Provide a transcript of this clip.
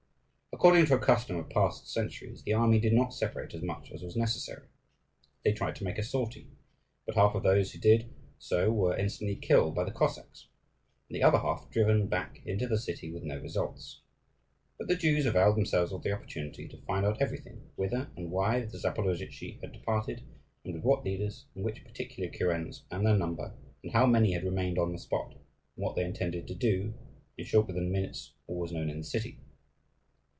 According to a custom of past centuries, the army did not separate as much as was necessary. They tried to make a sortie; but half of those who did so were instantly killed by the Cossacks, and the other half driven back into the city with no results. But the Jews availed themselves of the opportunity to find out everything; whither and why the Zaporozhtzi had departed, and with what leaders, and which particular kurens, and their number, and how many had remained on the spot, and what they intended to do; in short, within a few minutes all was known in the city.